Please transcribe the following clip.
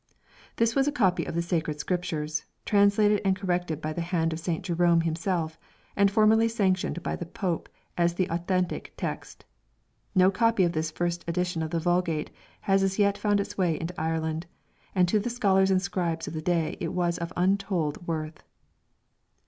This was a copy of the sacred Scriptures, translated and corrected by the hand of St. Jerome himself, and formally sanctioned by the Pope as the authentic text. No copy of this first edition of the Vulgate had as yet found its way into Ireland, and to the scholars and scribes of the day it was of untold worth.